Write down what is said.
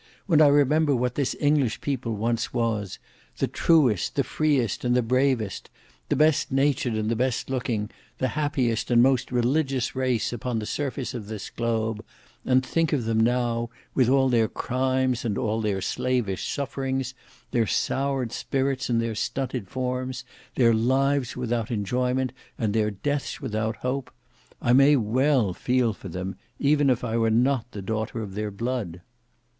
When I remember what this English people once was; the truest, the freest, and the bravest, the best natured and the best looking, the happiest and most religious race upon the surface of this globe; and think of them now, with all their crimes and all their slavish sufferings, their soured spirits and their stunted forms; their lives without enjoyment and their deaths without hope; I may well feel for them, even if I were not the daughter of their blood."